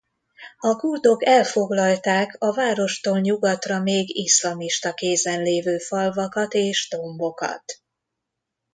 A kurdok elfoglalták a várostól nyugatra még iszlamista kézen lévő falvakat és dombokat.